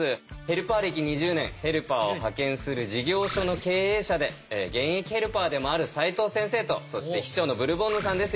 ヘルパー歴２０年ヘルパーを派遣する事業所の経営者で現役ヘルパーでもある齋藤先生とそして秘書のブルボンヌさんです。